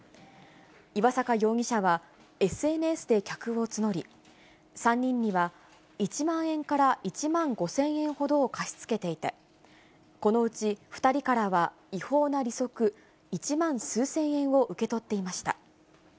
岩坂容疑者は、ＳＮＳで客を募り、３人には１万円から１万５０００円ほどを貸し付けていて、このうち２人からは違法な利息１万数千円を受け取っていました。